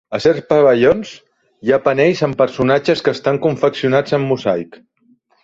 A certs pavellons hi ha panells amb personatges que estan confeccionats en mosaic.